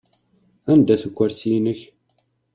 Anda-t ukursi-inek?